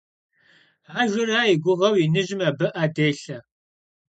Ajjera yi guğeu Yinıjım abı 'e dêlhe.